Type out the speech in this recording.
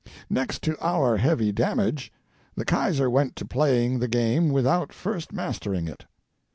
Next, to our heavy damage, the Kaiser went to playing the game without first mastering it.